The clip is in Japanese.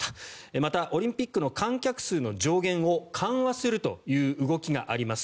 またオリンピックの観客数の上限を緩和するという動きがあります。